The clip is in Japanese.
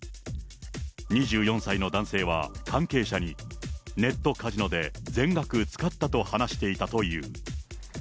２４歳の男性は関係者に、ネットカジノで全額使ったと話していたという。